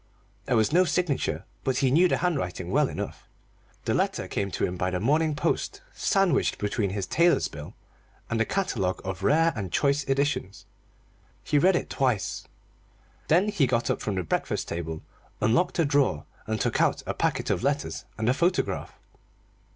There was no signature, but he knew the handwriting well enough. The letter came to him by the morning post, sandwiched between his tailor's bill and a catalogue of Rare and Choice Editions. He read it twice. Then he got up from the breakfast table, unlocked a drawer, and took out a packet of letters and a photograph.